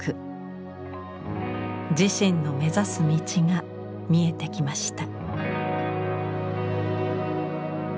自身の目指す道が見えてきました。